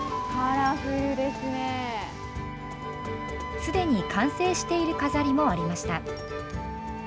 すでに完成している飾りもありました。